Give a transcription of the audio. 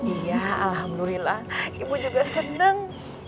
iya alhamdulillah ibu juga senang